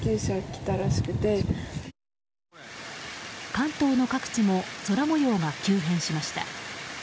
関東の各地も空模様が急変しました。